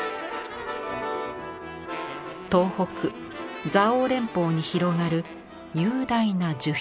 東北蔵王連峰に広がる雄大な樹氷。